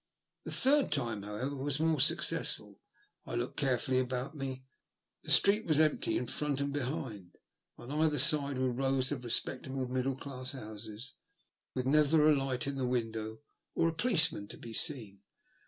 The third time, however, was more successful. I looked carefully about me. The street was empty in front and behind. On either side were rows of respectable middle class houses, with never a light in a window or a policeman to be seen.